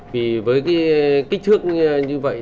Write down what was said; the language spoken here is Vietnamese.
vì với kích thước như vậy